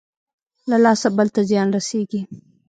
له لاسه بل ته زيان رسېږي.